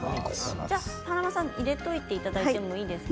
華丸さん入れていただいていいですか。